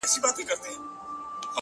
له میو چي پرهېز کوم پر ځان مي ژړا راسي!.